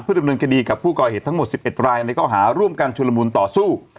ดำเนินคดีกับผู้ก่อเหตุทั้งหมด๑๑รายในข้อหาร่วมกันชุลมูลต่อสู้